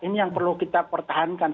ini yang perlu kita pertahankan